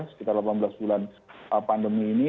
sekitar delapan belas bulan pandemi ini